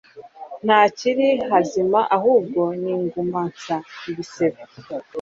nta hakiri hazima: ahubwo ni inguma nsa, ibisebe